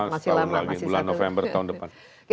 masih lama bulan november tahun depan